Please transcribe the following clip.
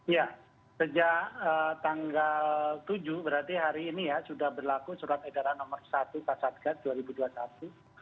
ya sejak tanggal tujuh berarti hari ini ya sudah berlaku surat edaran nomor satu kasatgas dua ribu dua puluh satu